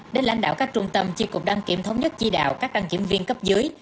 đến lãnh đạo các trung tâm chi cục đăng kiểm thống nhất chi đạo các đăng kiểm viên cấp dưới